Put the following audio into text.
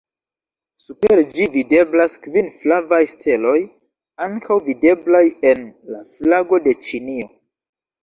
Super ĝi videblas kvin flavaj steloj ankaŭ videblaj en la flago de Ĉinio.